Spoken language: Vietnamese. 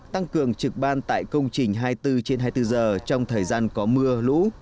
tăng cường trực ban tại công trình hai mươi bốn trên hai mươi bốn giờ trong thời gian có mưa lũ